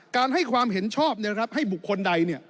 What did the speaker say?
การให้ความเห็นชอบเนี่ยนะครับให้บุคคลใดเนี่ย